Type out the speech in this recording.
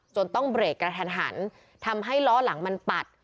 ต้องเบรกกระทันหันทำให้ล้อหลังมันปัด